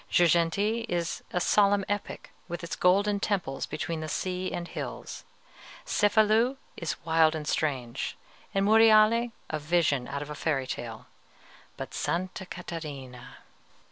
Girgenti is a solemn epic, with its golden temples between the sea and hills. Cefalù is wild and strange, and Monreale a vision out of a fairy tale; but Sta. Catarina!